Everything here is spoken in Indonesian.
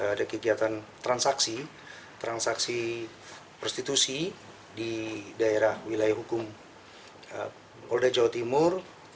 ada kegiatan transaksi transaksi prostitusi di daerah wilayah hukum polda jawa timur